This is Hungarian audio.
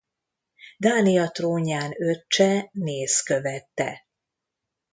Dánia trónján öccse Niels követte.